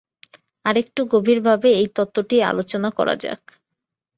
আর একটু গভীরভাবে এই তত্ত্বটি আলোচনা করা যাক।